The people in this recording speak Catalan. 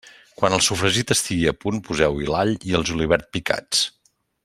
Quan el sofregit estigui a punt, poseu-hi l'all i el julivert picats.